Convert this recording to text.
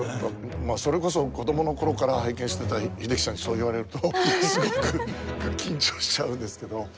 まあそれこそ子供の頃から拝見してた英樹さんにそう言われるとすごく緊張しちゃうんですけど。